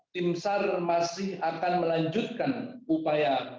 tim sar masih akan melanjutkan upaya